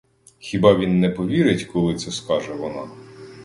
Хіба він не повірить, коли це скаже вона?